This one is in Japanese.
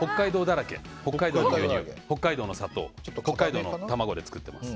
北海道の牛乳、北海道の砂糖北海道の卵で作っています。